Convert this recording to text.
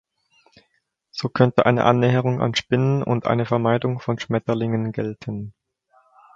So könnte eine Annäherung an Spinnen und eine Vermeidung von Schmetterlingen gelten.